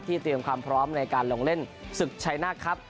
เตรียมความพร้อมในการลงเล่นศึกชัยนาคครับ